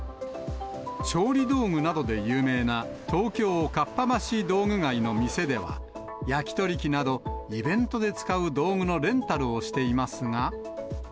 調理道具などで有名な東京・かっぱ橋道具街の店では、焼き鳥機など、イベントで使う道具のレンタルをしていますが。